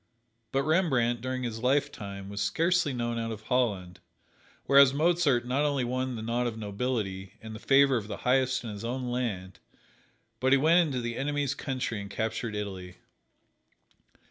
But Rembrandt, during his lifetime, was scarcely known out of Holland, whereas Mozart not only won the nod of nobility, and the favor of the highest in his own land, but he went into the enemy's country and captured Italy.